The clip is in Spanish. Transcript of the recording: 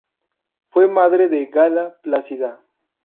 Fue madre de Gala Placidia.